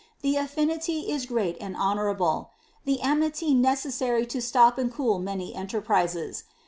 the affinity is great and honourable ; the amity neces^^ary to stop and cool many enterprises.